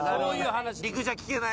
陸じゃ聞けない？